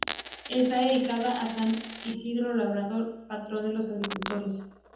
Está dedicada a San Isidro Labrador, patrón de los agricultores.